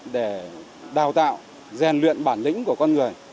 để đào tạo rèn luyện bản lĩnh của con người